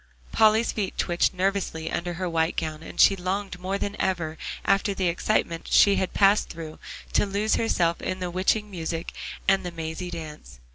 Polly's feet twitched nervously under her white gown, and she longed more than ever after the excitement she had passed through, to lose herself in the witching music, and the mazy dance.